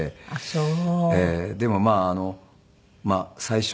そう。